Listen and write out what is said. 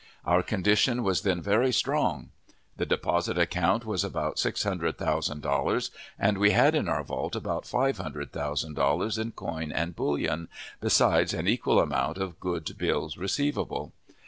Our condition was then very strong. The deposit account was about six hundred thousand dollars, and we had in our vault about five hundred thousand dollars in coin and bullion, besides an equal amount of good bills receivable.